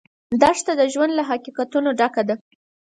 دښته د ژوند له حقیقتونو ډکه ده.